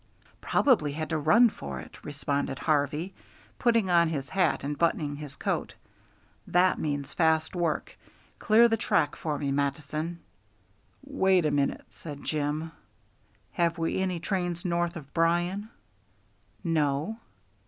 "Probably had to run for it," responded Harvey, putting on his hat and buttoning his coat. "That means fast work. Clear the track for me, Mattison." "Wait a minute," said Jim. "Have we any trains north of Byron?" "No."